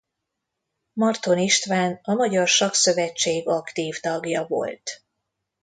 Marton István a Magyar Sakkszövetség aktív tagja volt.